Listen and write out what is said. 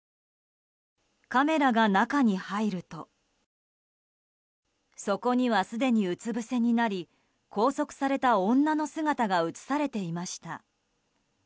カメラが中に入るとそこにはすでにうつぶせになり拘束された女の姿が映されていました。